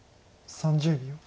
３０秒。